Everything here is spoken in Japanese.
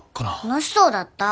楽しそうだった。